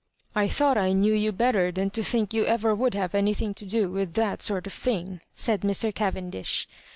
" I thought I knew you better than to think you ever would have anything to do with (hat sort of thing," said Mr. Cavendish.